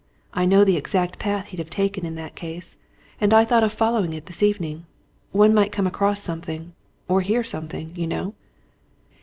I know the exact path he'd have taken in that case, and I thought of following it this evening one might come across something, or hear something, you know."